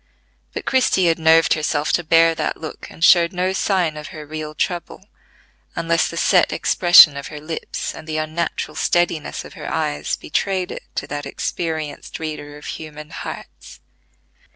But Christie had nerved herself to bear that look, and showed no sign of her real trouble, unless the set expression of her lips, and the unnatural steadiness of her eyes betrayed it to that experienced reader of human hearts.